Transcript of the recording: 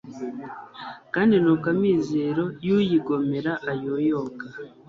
kandi ni uko amizero y'uyigomera ayoyoka